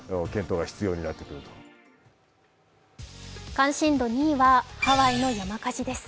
関心度２位はハワイの山火事です。